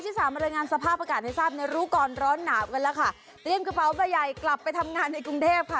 สามรายงานสภาพอากาศให้ทราบในรู้ก่อนร้อนหนาวกันแล้วค่ะเตรียมกระเป๋าใบใหญ่กลับไปทำงานในกรุงเทพค่ะ